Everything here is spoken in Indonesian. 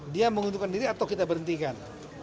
dia mengundurkan diri atau kita berhentikan